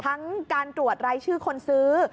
การตรวจรายชื่อคนซื้อ